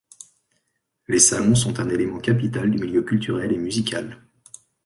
Les salons sont un élément capital du milieu culturel et musical.